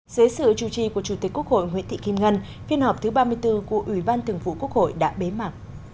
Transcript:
dưới sự chủ trì của chủ tịch quốc hội nguyễn thị kim ngân phiên họp thứ ba mươi bốn của ủy ban thường vụ quốc hội đã bế mạc